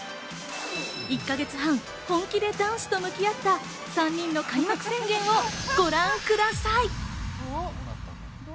１か月半、本気でダンスと向き合った３人の『開幕宣言』をご覧ください。